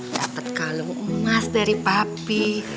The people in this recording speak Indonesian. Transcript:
dapat kalung emas dari papi